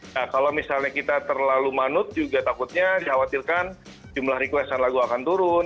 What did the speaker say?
nah kalau misalnya kita terlalu manut juga takutnya dikhawatirkan jumlah requestion lagu akan turun